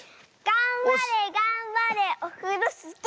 がんばれがんばれオフロスキー！